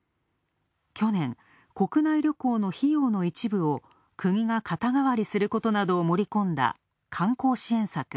去年、国内旅行の費用の一部を国が肩代わりすることを盛り込んだ観光支援策